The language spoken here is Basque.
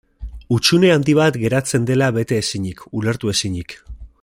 Hutsune handi bat geratzen dela bete ezinik, ulertu ezinik.